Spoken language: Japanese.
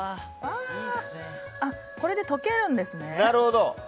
これで溶けるんですね。